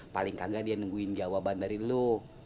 paling kagak dia nungguin jawaban dari lu